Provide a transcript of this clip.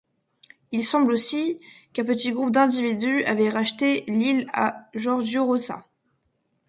Il semble aussi qu'un petit groupe d'individus avait racheté l'île à Giorgio Rosa.